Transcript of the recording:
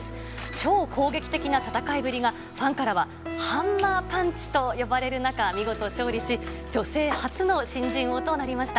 超攻撃的な戦いぶりが、ファンからはハンマーパンチと呼ばれる中、見事勝利し、女性初の新人王となりました。